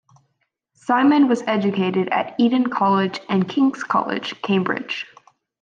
Simeon was educated at Eton College and King's College, Cambridge.